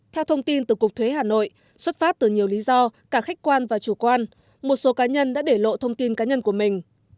theo thông tin từ cục thuế hà nội xuất phát từ nhiều lý do cả khách quan và chủ quan một số cá nhân đã để lộ thông tin cá nhân của mình